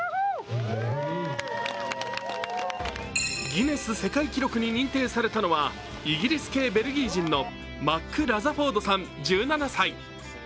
ギネス世界記録に認定されたのはイギリス系ベルギー人のマック・ラザフォードさん１７歳。